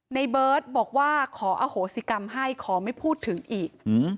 ในเบิร์ตบอกว่าขออโหสิกรรมให้ขอไม่พูดถึงอีก